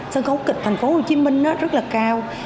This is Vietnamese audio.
sân khấu kịch thành phố hồ chí minh rất là cao